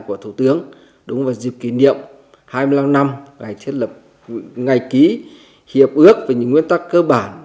với thủ tướng đúng vào dịp kỷ niệm hai mươi năm năm ngày ký hiệp ước về những nguyên tắc cơ bản